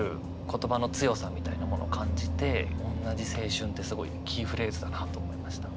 言葉の強さみたいなものを感じて「おんなじ青春」ってすごいキーフレーズだなと思いました。